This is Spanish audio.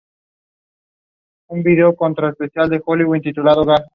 Billy le invita a pasar, y a comer un trozo de pastel.